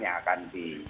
yang akan di